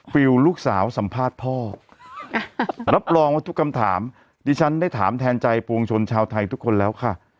ฟิลลูกสาวสัมภาษณ์พ่อรับรองว่าทุกคำถามดิฉันได้ถามแทนใจปวงชนชาวไทยทุกคนแล้วค่ะ